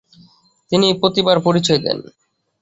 তিনি প্রতিভার পরিচয় দেন।